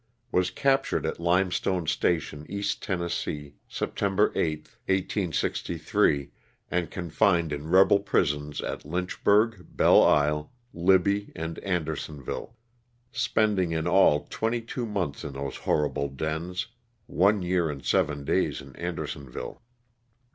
Was cap tured at Limestone Station, East Tenn., September 8, 244 LOSS OF THE SULTANA. 1863, and confined in rebel prisons at Lynchburg, Belle Isle, Libby and Andersonville, spending in all twenty two months in those horrible dens — one year and seven days in Andersonville.